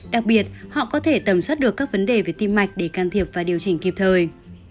đặc biệt họ có thể tầm soát được các vấn đề về tim mạch để can thiệp và điều chỉnh kịp thời